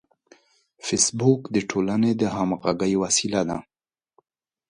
فېسبوک د ټولنې د همغږۍ وسیله ده